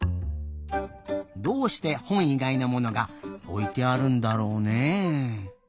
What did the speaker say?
どうしてほんいがいのものがおいてあるんだろうね？